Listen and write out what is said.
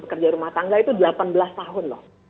pekerja rumah tangga itu delapan belas tahun loh